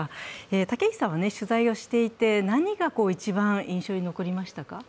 武石さんは取材をしていて何が一番印象に残りましたか？